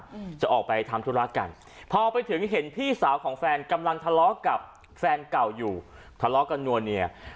อืมจะออกไปทำธุระกันพอไปถึงเห็นพี่สาวของแฟนกำลังทะเลาะกับแฟนเก่าอยู่ทะเลาะกันนัวเนีย